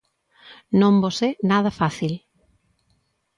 Non vos é nada fácil.